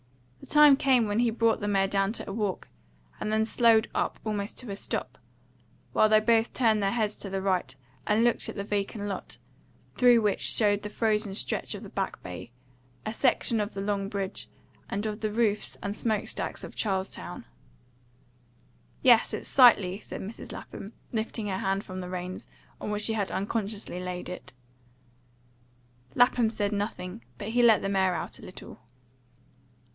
The time came when he brought the mare down to a walk, and then slowed up almost to a stop, while they both turned their heads to the right and looked at the vacant lot, through which showed the frozen stretch of the Back Bay, a section of the Long Bridge, and the roofs and smoke stacks of Charlestown. "Yes, it's sightly," said Mrs. Lapham, lifting her hand from the reins, on which she had unconsciously laid it. Lapham said nothing, but he let the mare out a little.